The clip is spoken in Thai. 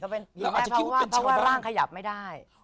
เพราะว่าร่างขยับไม่ได้